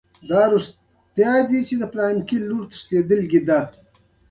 دا دوکاندار د پیرود اجناس چمتو کړل.